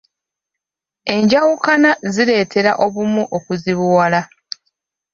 Enjawukana zireetera obumu okuzibuwala.